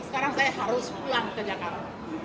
sekarang saya harus pulang ke jakarta